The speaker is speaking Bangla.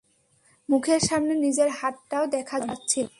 মুখের সামনে নিজের হাতটাও দেখা যাচ্ছিল না।